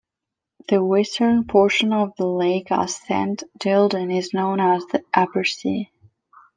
The western portion of the lake at Saint Gilgen is known as the "Abersee".